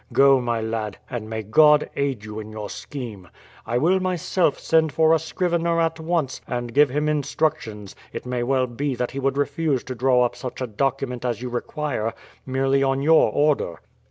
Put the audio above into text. Go, my lad; and may God aid you in your scheme. I will myself send for a scrivener at once and give him instructions; it may well be that he would refuse to draw up such a document as that you require merely on your order.